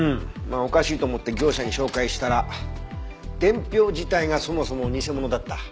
まあおかしいと思って業者に照会したら伝票自体がそもそも偽物だった。